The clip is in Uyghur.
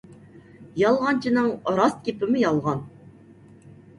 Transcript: يالغانچىنىڭ راست گېپىمۇ يالغان.